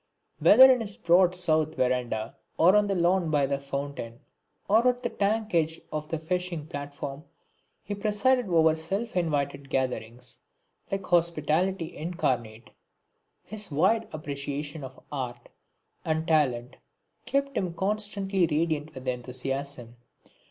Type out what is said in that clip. Whether in his broad south verandah, or on the lawn by the fountain, or at the tank edge on the fishing platform, he presided over self invited gatherings, like hospitality incarnate. His wide appreciation of art and talent kept him constantly radiant with enthusiasm.